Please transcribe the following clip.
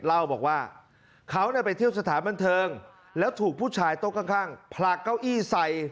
เล่าบอกว่าเขาเนี่ยไปเที่ยวสถาน๑๙๔๒แล้วถูกผู้ชายตกข้างพลาดเก้าอี้ใส่